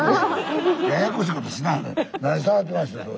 ややこしいことしない。